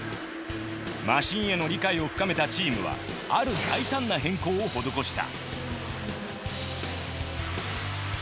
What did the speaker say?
マシンへの理解を深めたチームはある大胆な変更を施した。